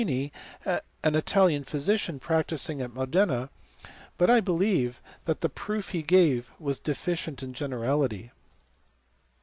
Ruffini, an Italian physician practising at Modena ; but I believe that the proof he gave was deficient in generality.